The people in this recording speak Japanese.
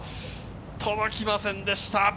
届きませんでした。